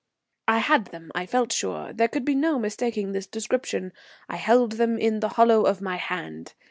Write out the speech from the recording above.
I had them, I felt sure. There could be no mistaking this description. I held them in the hollow of my hand.